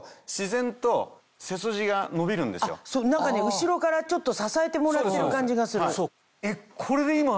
後ろからちょっと支えてもらってる感じがする。